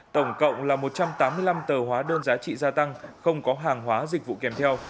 tổng cộng là một trăm tám mươi năm tờ hóa đơn giá trị gia tăng không có hàng hóa dịch vụ kèm theo